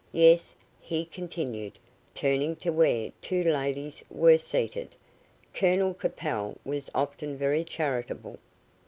Yes," he continued, turning to where two ladies were seated. "Colonel Capel was often very charitable."